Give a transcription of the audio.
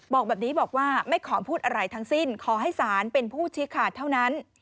บอกแบบนี้บอกว่าไม่ขอพูดอะไรทั้งสิ้นขอให้ศาลเป็นผู้ชี้ขาดเท่านั้น